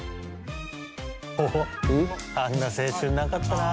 お、あんな青春なかったな。